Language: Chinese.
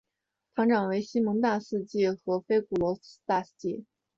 堂长为西蒙大司祭和菲古罗夫斯基大司祭。